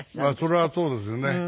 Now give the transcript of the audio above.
そりゃそうですよね。